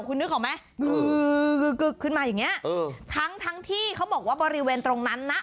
คุณนึกออกไหมกึกขึ้นมาอย่างเงี้เออทั้งทั้งที่เขาบอกว่าบริเวณตรงนั้นนะ